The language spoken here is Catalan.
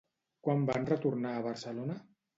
Quan van retornar a Barcelona?